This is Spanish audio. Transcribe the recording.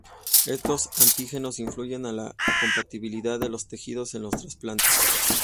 Estos antígenos influyen a la compatibilidad de los tejidos en los trasplantes.